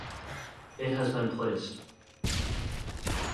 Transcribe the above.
It has been placed.